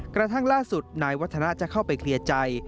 กระทั่งล่าสุดนายวัฒนาจะเข้าไปเคลียร์ใจ